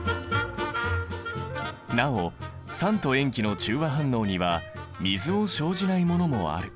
なお酸と塩基の中和反応には水を生じないものもある。